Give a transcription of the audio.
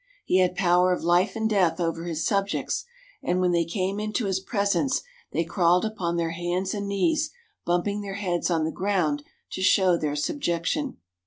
He had power of life and death over his subjects, and when they came into his presence they crawled upon their hands and knees, bump ing their heads on the ground to show their subjection.